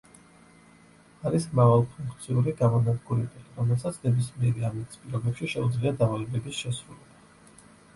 არის მრავალფუნქციური გამანადგურებელი რომელსაც ნებისმიერი ამინდის პირობებში შეუძლია დავალებების შესრულება.